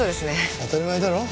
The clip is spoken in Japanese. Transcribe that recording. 当たり前だろ。